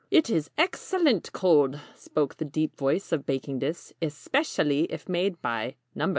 "] "It is ex cel lent cold," spoke the deep voice of Baking Dish, "es pec i ally if made by NO.